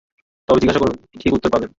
তবে জিজ্ঞাসা করুন, ঠিক উত্তর পাবেন।